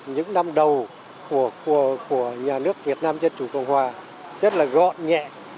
những năm đầu của nhà nước việt nam dân chủ cộng hòa rất là gọn nhẹ